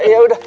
iya pak burhan